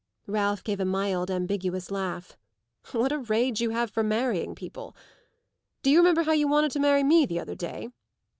Ralph gave a mild ambiguous laugh. "What a rage you have for marrying people! Do you remember how you wanted to marry me the other day?"